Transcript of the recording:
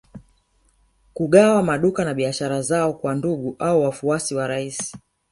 Kugawa maduka na biashara zao kwa ndugu au wafuasi wa rais